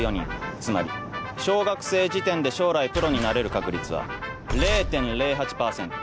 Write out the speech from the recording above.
つまり小学生時点で将来プロになれる確率は０．０８％。